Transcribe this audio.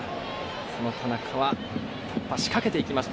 その田中は仕掛けていきました。